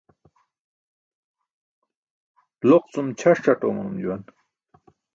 Loq cum ćʰas caṭ oomanum juwan.